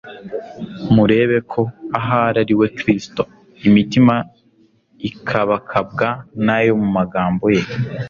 Murebe ko ahari ari we Kristo.» Imitima ikabakabwa n'ayo magambo ye.